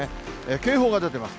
警報が出てます。